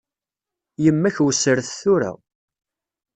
Yemma-k wessret tura.